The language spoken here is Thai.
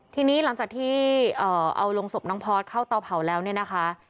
ทีนี้หลังจากที่เอาลงศพน้องพอร์ตเข้าเตาเผาแล้วเนี่ยนะคะ